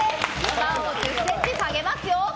バーを１０ｃｍ下げますよ。